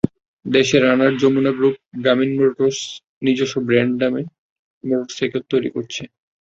দেশে Runner, Jamuna group, Grameen Motors নিজস্ব brand নামে মোটরসাইকেল তৈরি করছে।